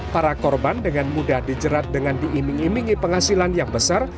para korban dengan mudah dijerat dengan diiming imingi penghasilan yang besar